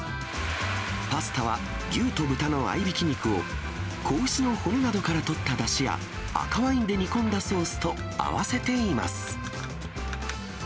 パスタは、牛と豚の合いびき肉を、子牛の骨などからとっただしや、赤ワインで煮込んだソースと合わせています。